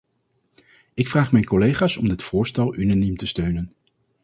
Ik vraag mijn collega's om dit voorstel unaniem te steunen.